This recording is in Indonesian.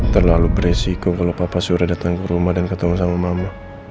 terlalu beresiko kalau papa sudah datang ke rumah dan ketemu sama mama